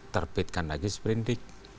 terbitkan lagi sprendik